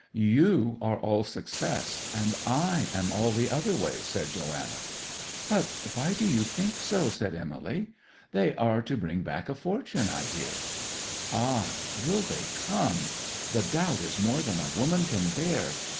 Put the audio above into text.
'You are all success, and I am all the other way!' said Joanna. 'But why do you think so?' said Emily. 'They are to bring back a fortune, I hear.' 'Ah! will they come? The doubt is more than a woman can bear.